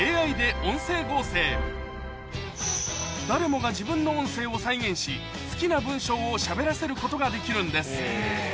誰もが自分の音声を再現し好きな文章をしゃべらせることができるんです